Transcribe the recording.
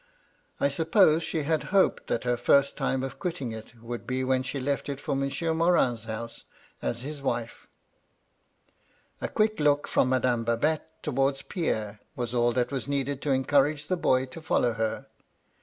I suppose she had hoped that her MY LADY LUDLOW. 147 first time of quitting it would be when she left it for Monsieur's Morin's house as his wife. "A quick look from Madame Babette towards Pierre was all that was needed to encourage the boy to follow her.